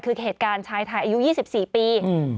คือเหตุการณ์ชายไทยอายุ๒๔ปี